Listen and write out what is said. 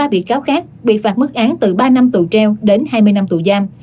một mươi bị cáo khác bị phạt mức án từ ba năm tù treo đến hai mươi năm tù giam